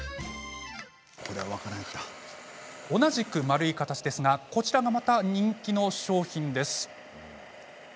同じく丸い形ですがこちらがまた人気の商品です。